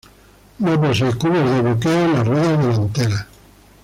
No posee cubos de bloqueo en las ruedas delanteras.